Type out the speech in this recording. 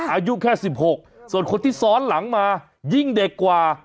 อายุแค่๑๖ส่วนคนที่ซ้อนหลังมายิ่งเด็กกว่า